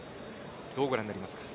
どうご覧になりますか？